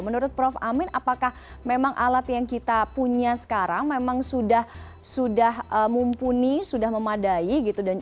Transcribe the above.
menurut prof amin apakah memang alat yang kita punya sekarang memang sudah mumpuni sudah memadai gitu